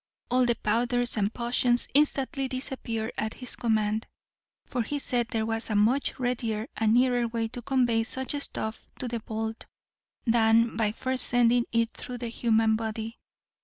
All the powders and potions instantly disappeared at his command; for he said there was a much readier and nearer way to convey such stuff to the vault, than by first sending it through the human body.